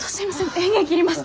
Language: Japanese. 電源切ります。